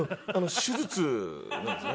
手術なんですね。